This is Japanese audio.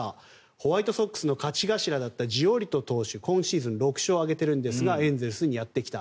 ホワイトソックスの勝ち頭だったジオリト投手今シーズン６勝を挙げているんですがエンゼルスにやってきた。